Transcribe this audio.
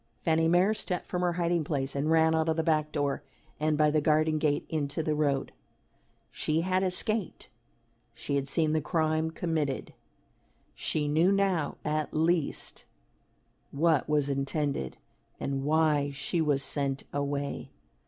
Fanny Mere stepped from her hiding place and ran out of the back door, and by the garden gate into the road. She had escaped. She had seen the crime committed. She knew now at least what was intended and why she was sent away.